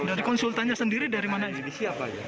dari konsultannya sendiri dari mana iddc apa